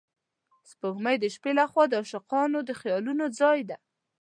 سپوږمۍ د شپې له خوا د عاشقانو د خیالونو ځای دی